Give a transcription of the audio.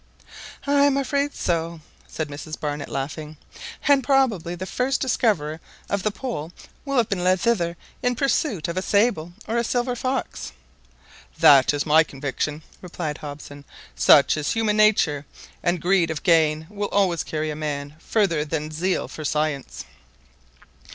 "I am afraid so," said Mrs Barnett, laughing; "and probably the first discoverer of the Pole will have been led thither in pursuit of a sable or a silver fox." "That is my conviction," replied Hobson. " Such is human nature, and greed of gain will always carry a man further than zeal for science."